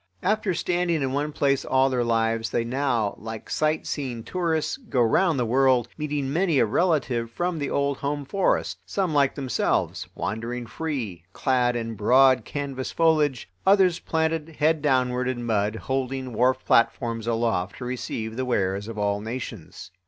After standing in one place all their lives they now, like sight seeing tourists, go round the world, meeting many a relative from the old home forest, some like themselves, wandering free, clad in broad canvas foliage, others planted head downward in mud, holding wharf platforms aloft to receive the wares of all nations.